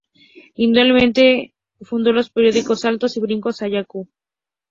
Igualmente fundó los periódicos "Saltos y Brincos" y "Ayacucho".